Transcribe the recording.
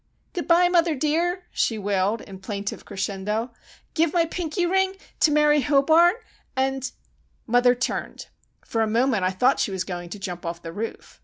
"Good bye, mother dear!" she wailed in plaintive crescendo. "Give my pinky ring to Mary Hobart, and——" Mother turned. For a moment I thought she was going to jump off the roof.